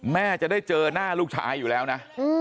แม่จะได้เจอหน้าลูกชายอยู่แล้วนะ